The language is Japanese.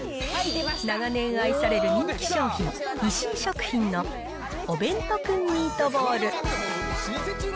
長年愛される人気商品、石井食品のおべんとクンミートボール。